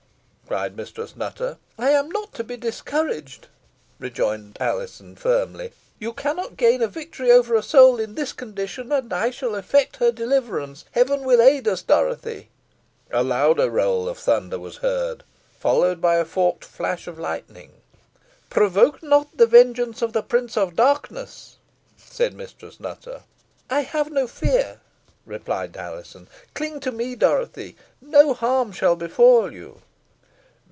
cried Mistress Nutter. "I am not to be discouraged," rejoined Alizon, firmly. "You cannot gain a victory over a soul in this condition, and I shall effect her deliverance. Heaven will aid us, Dorothy." A louder roll of thunder was heard, followed by a forked flash of lightning. "Provoke not the vengeance of the Prince of Darkness," said Mistress Nutter. "I have no fear," replied Alizon. "Cling to me, Dorothy. No harm shall befall you."